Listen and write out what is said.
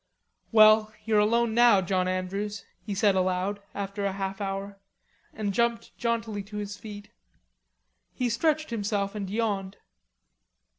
"Well, you're alone now, John Andrews," he said aloud, after a half hour, and jumped jauntily to his feet. He stretched himself and yawned.